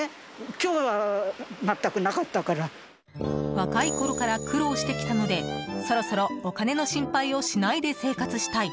若いころから苦労してきたのでそろそろお金の心配をしないで生活したい。